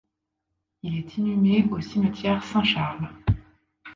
Il est inhumé au cimetière Saint-Charles.